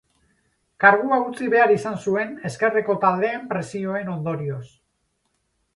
Kargua utzi behar izan zuen ezkerreko taldeen presioen ondorioz.